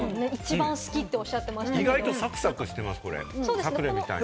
意外とサクサクしてます、サクレみたいに。